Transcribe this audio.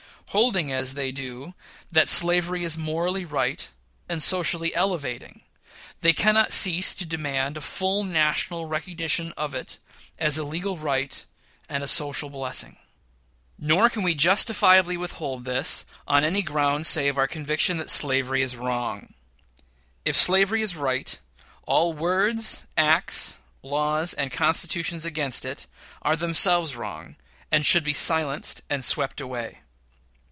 Holding, as they do, that slavery is morally right, and socially elevating, they cannot cease to demand a full national recognition of it, as a legal right and a social blessing. Nor can we justifiably withhold this on any ground save our conviction that slavery is wrong. If slavery is right, all words, acts, laws, and constitutions against it are themselves wrong, and should be silenced and swept away.